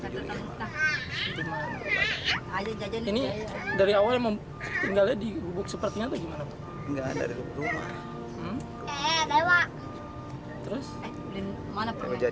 ini dari awal tinggalnya di gubuk sepertinya atau gimana